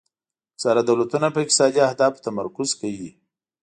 اکثره دولتونه په اقتصادي اهدافو تمرکز کوي